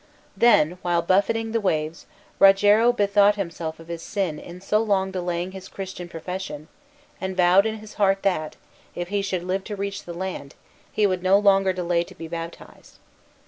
Then while buffeting the waves Rogero bethought him of his sin in so long delaying his Christian profession, and vowed in his heart that, if he should live to reach the land, he would no longer delay to be baptized.